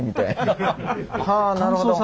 はあなるほど。